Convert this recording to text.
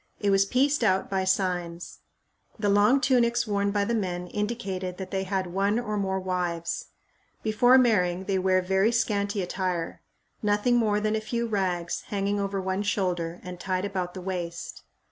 It was pieced out by signs. The long tunics worn by the men indicated that they had one or more wives. Before marrying they wear very scanty attire nothing more than a few rags hanging over one shoulder and tied about the waist.